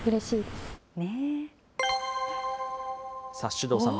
首藤さん